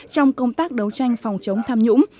trong công tác đấu tranh phòng chống tham nhũng